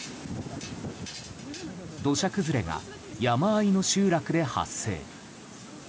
土砂崩れが山あいの集落で発生。